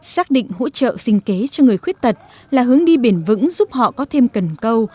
xác định hỗ trợ sinh kế cho người khuyết tật là hướng đi bền vững giúp họ có thêm cần câu